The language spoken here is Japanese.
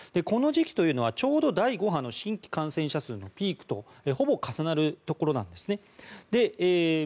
この時期はちょうど第５波の新規感染者数のピークとほぼ重なるところなんです。